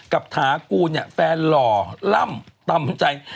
กับทาคูณแฟนหล่อล่ำตำใจ